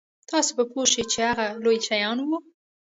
تاسو به پوه شئ چې هغه لوی شیان وو.